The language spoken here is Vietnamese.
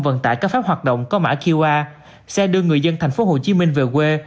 vận tải cấp phép hoạt động có mã qr xe đưa người dân tp hcm về quê